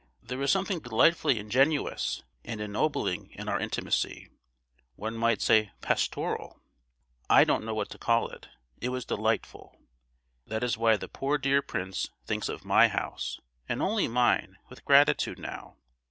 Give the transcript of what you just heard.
There was something delightfully ingenuous and ennobling in our intimacy—one might say pastoral; I don't know what to call it—it was delightful. That is why the poor dear prince thinks of my house, and only mine, with gratitude, now.